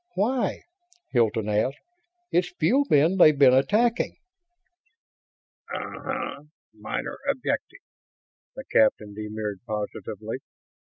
"Why?" Hilton asked. "It's Fuel Bin they've been attacking." "Uh uh. Minor objective," the captain demurred, positively.